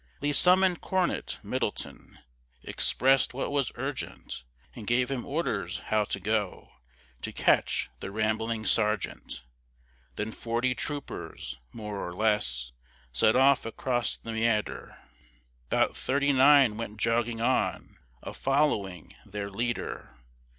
Lee summon'd cornet Middleton, Expressèd what was urgent, And gave him orders how to go To catch the rambling sergeant. Then forty troopers, more or less, Set off across the meader; 'Bout thirty nine went jogging on A following their leader.